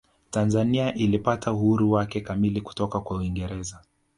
tanzania ilipata uhuru wake kamili kutoka kwa uingereza